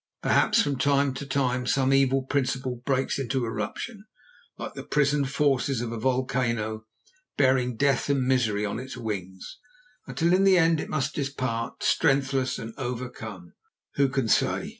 Perhaps from time to time some evil principle breaks into eruption, like the prisoned forces of a volcano, bearing death and misery on its wings, until in the end it must depart strengthless and overcome. Who can say?